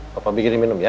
papa bikin dia minum ya